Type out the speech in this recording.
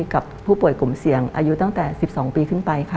กับผู้ป่วยกลุ่มเสี่ยงอายุตั้งแต่๑๒ปีขึ้นไปค่ะ